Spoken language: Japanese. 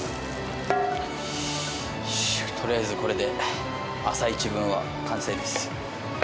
とりあえずこれで朝イチ分は完成です。